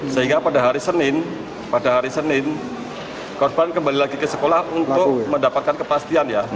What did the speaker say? sehingga pada hari senin korban kembali lagi ke sekolah untuk mendapatkan kepastian ya